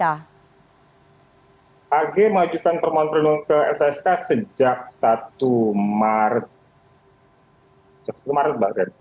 ag mengajukan permohonan perlindungan ke lpsk sejak satu maret